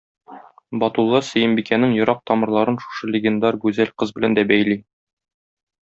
Батулла Сөембикәнең ерак тамырларын шушы легендар гүзәл кыз белән дә бәйли.